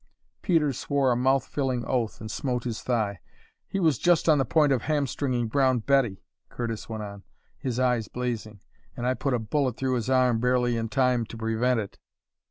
Peters swore a mouth filling oath and smote his thigh. "He was just on the point of ham stringing Brown Betty," Curtis went on, his eyes blazing, "and I put a bullet through his arm barely in time to prevent it."